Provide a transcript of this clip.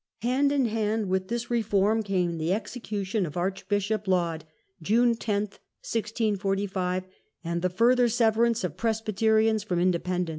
Hand in hand with this reform came the execution of Archbishop Laud (June lo, 1645), ^"^^^^ further sever ance of Presbyterians from Independents.